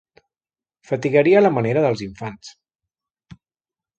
Fatigaria a la manera dels infants.